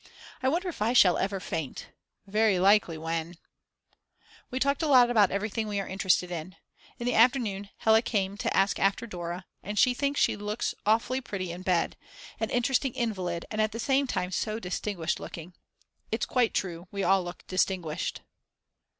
I wonder if I shall ever faint? Very likely when We talked a lot about everything we are interested in. In the afternoon Hella came to ask after Dora, and she thinks she looks awfully pretty in bed, an interesting invalid and at the same time so distinguished looking. It's quite true, we all look distinguished.